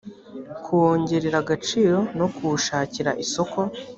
kuwongerera agaciro no kuwushakira isoko